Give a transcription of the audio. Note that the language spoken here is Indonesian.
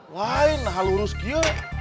lain ah lurus gear